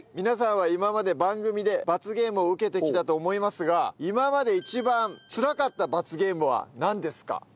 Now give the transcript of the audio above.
皆さんは今まで番組で罰ゲームを受けてきたと思いますが今まで一番つらかった罰ゲームはなんですか？